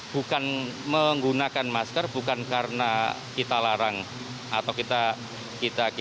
bukan menggunakan masker bukan karena kita larang atau kita